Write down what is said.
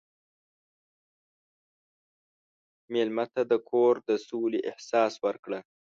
مېلمه ته د کور د سولې احساس ورکړه.